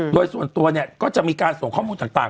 โดยส่วนตัวเนี่ยก็จะมีการส่งข้อมูลต่าง